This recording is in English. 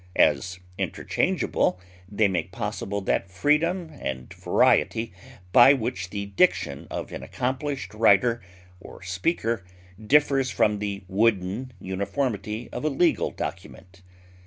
As interchangeable, they make possible that freedom and variety by which the diction of an accomplished writer or speaker differs from the wooden uniformity of a legal document.